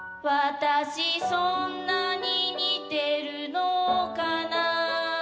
「私そんなに似てるのかな」